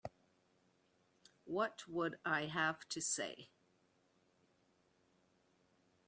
What would I have to say?